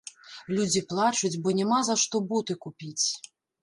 Людзі плачуць, бо няма за што боты купіць!